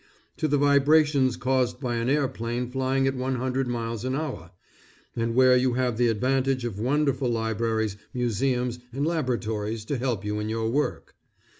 to the vibrations caused by an airplane flying at one hundred miles an hour, and where you have the advantage of wonderful libraries, museums, and laboratories, to help you in your work.